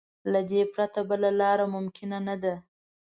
له دې پرته بله لار ممکن نه ده.